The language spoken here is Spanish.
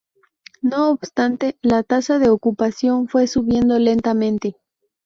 No obstante, La tasa de ocupación fue subiendo lentamente.